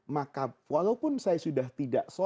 maka walaupun saya sudah tidak sholat